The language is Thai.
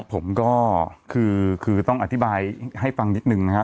ผมก็คือต้องอธิบายให้ฟังนิดนึงนะครับ